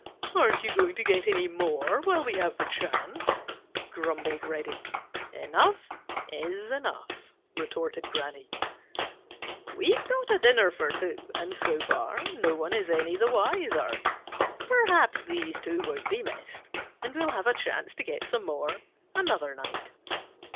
"Aren't you going to get any more while we have the chance?" grumbled Reddy. "Enough is enough," retorted Granny. "We've got a dinner for two, and so far no one is any the wiser. Perhaps these two won't be missed, and we'll have a chance to get some more another night.